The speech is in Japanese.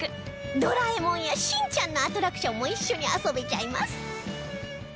『ドラえもん』や『しんちゃん』のアトラクションも一緒に遊べちゃいます